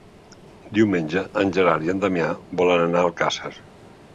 Diumenge en Gerard i en Damià volen anar a Alcàsser.